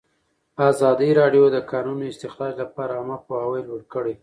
ازادي راډیو د د کانونو استخراج لپاره عامه پوهاوي لوړ کړی.